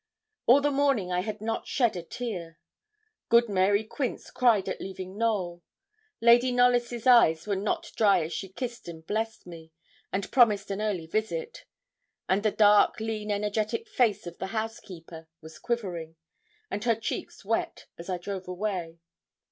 All the morning I had not shed a tear. Good Mary Quince cried at leaving Knowl; Lady Knollys' eyes were not dry as she kissed and blessed me, and promised an early visit; and the dark, lean, energetic face of the housekeeper was quivering, and her cheeks wet, as I drove away.